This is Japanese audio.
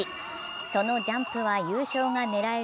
そのジャンプは優勝が狙える